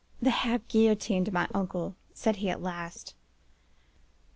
"'They have guillotined my uncle!' said he at last.